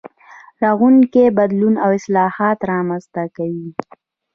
رغونکی بدلون او اصلاحات رامنځته کوي.